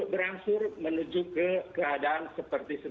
beransur menuju ke keadaan seperti ini